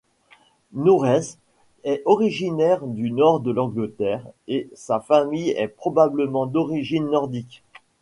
Norreis est originaire du nord de l'Angleterre et sa famille est probablement d'origine nordique.